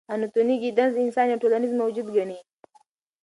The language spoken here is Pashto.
انتوني ګیدنز انسان یو ټولنیز موجود ګڼي.